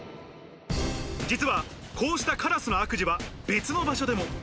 実はこうしたカラスの悪事は別の場所でも。